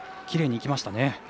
きれいにいきましたね。